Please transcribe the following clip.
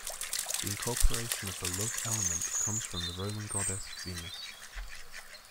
The incorporation of the "love element" comes from the Roman goddess Venus.